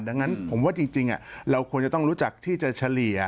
ดังนั้นผมว่าจริงเราควรจะต้องรู้จักที่จะเฉลี่ย